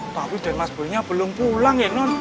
tapi den mas boynya belum pulang ya non